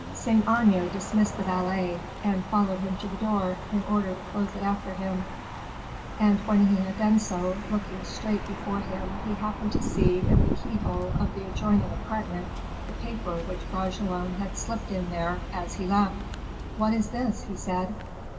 Saint Aignan dismissed the valet, and followed him to the door, in order to close it after him; and when he had done so, looking straight before him, he happened to see in the keyhole of the adjoining apartment the paper which Bragelonne had slipped in there as he left. "What is this?" he said.